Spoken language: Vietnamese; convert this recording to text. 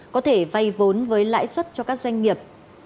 có thể vây vốn với lãi suất cho các doanh nghiệp